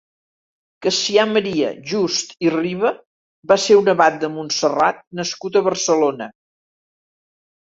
Cassià Maria Just i Riba va ser un abat de Montserrat nascut a Barcelona.